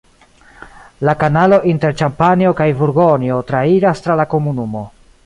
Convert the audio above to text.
La kanalo inter Ĉampanjo kaj Burgonjo trairas tra la komunumo.